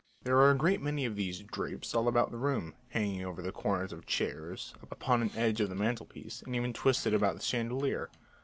There were a great many of these "drapes" all about the room, hanging over the corners of the chairs, upon an edge of the mantelpiece, and even twisted about the chandelier.